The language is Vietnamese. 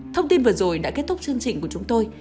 thông tin vừa rồi đã kết thúc chương trình của chúng tôi